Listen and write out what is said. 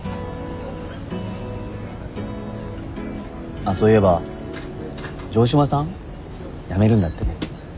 あっそういえば城島さん辞めるんだってね。